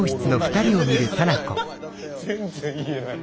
全然言えない。